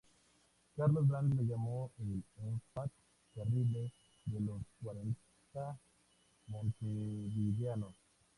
Carlos Brandy lo llamó el "enfant terrible" de los cuarenta montevideanos.